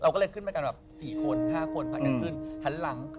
๔คน๕คนไปกันขึ้นหันหลัง